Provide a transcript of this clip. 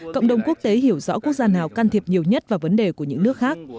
cộng đồng quốc tế hiểu rõ quốc gia nào can thiệp nhiều nhất vào vấn đề của những nước khác